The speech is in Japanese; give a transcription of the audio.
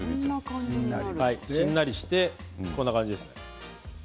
しんなりしてこんな感じです。